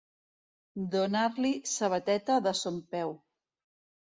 Donar-li sabateta de son peu.